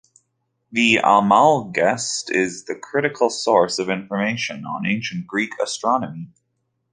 The "Almagest" is the critical source of information on ancient Greek astronomy.